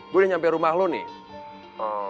gue udah nyampe rumah lo nih